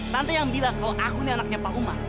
tante yang bilang oh aku ini anaknya pak umar